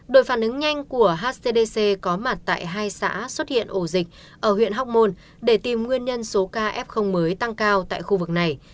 đội phản ứng nhanh của hcdc có mặt tại hai xã xuất hiện ổ dịch ở huyện hóc môn để tìm nguyên nhân số ca f mới tăng cao tại khu vực này